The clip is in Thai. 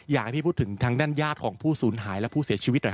อยากให้พี่พูดถึงทางด้านญาติของผู้สูญหายและผู้เสียชีวิตหน่อย